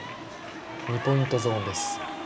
２ポイントゾーンです。